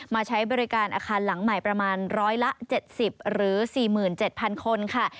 ใช้บริการอาคารหลังใหม่ประมาณร้อยละ๗๐หรือ๔๗๐๐คนค่ะ